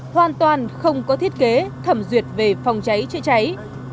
hoàn toàn không có thiết kế thẩm duyệt về phòng cháy chữa cháy